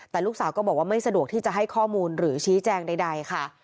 แต่ลูกสาวก็บอกว่าไม่สะดวกที่จะให้ข้อมูลหรือชี้แจงใดค่ะ